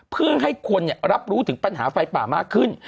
เพื่อให้คนรับรู้ถึงปัญหาไฟป่ามากขึ้น